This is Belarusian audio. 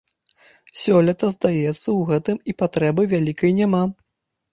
Сёлета, здаецца, у гэтым і патрэбы вялікай няма.